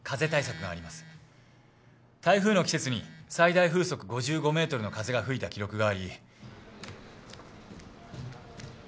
台風の季節に最大風速５５メートルの風が吹いた記録があり。